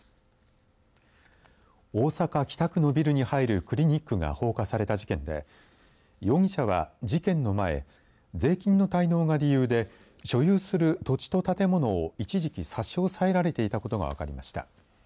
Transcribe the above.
大阪、北区のビルに入るクリニックが放火された事件で容疑者は、事件の前税金の滞納が理由で所有する土地と建物を一時期差し押さえられていたことが分かりました。